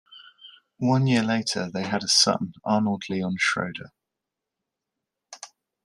One year later they had a son, Arnold Leon Schroeder.